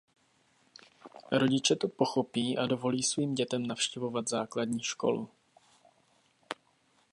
Rodiče to pochopí a dovolí svým dětem navštěvovat základní školu.